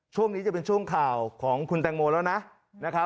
ช่วงนี้จะเป็นช่วงข่าวของคุณแตงโมแล้วนะ